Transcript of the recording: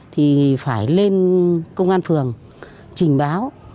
thì phải lên công an phường trình báo